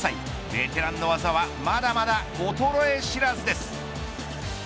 ベテランの技はまだまだ衰え知らずです。